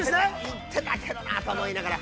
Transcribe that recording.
◆行ってたけどなーと思いながら。